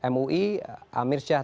mui amir syah